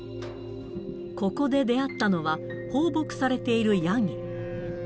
ここで出会ったのは、放牧されているヤギ。